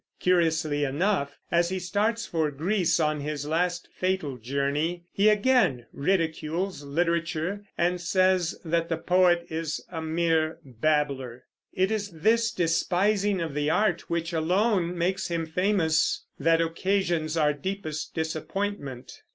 Curiously enough, as he starts for Greece on his last, fatal journey, he again ridicules literature, and says that the poet is a "mere babbler." It is this despising of the art which alone makes him famous that occasions our deepest disappointment.